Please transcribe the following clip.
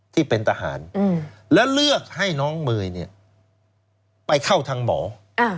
ที่เป็นทหารอืมแล้วเลือกให้น้องเมย์เนี่ยไปเข้าทางหมอ